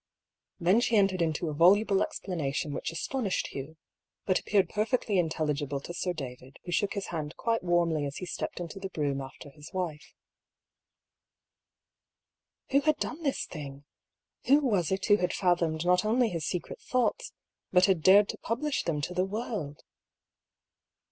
Then she entered into a voluble explanation which astonished Hugh, but appeared perfectly intelligible to Sir David, who shook his hand quite warmly as he stepped into the brougham after his wife. Who had done this thing? Who was it who had fathomed not only his secret thoughts, but had dared to publish them to the world